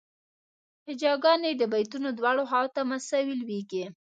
هجاګانې د بیتونو دواړو خواوو ته مساوي لویږي.